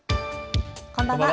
こんばんは。